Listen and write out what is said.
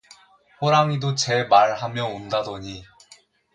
호랑이도 제 말하면 온다더니.